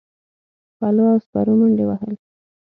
پلو او سپرو منډې وهلې.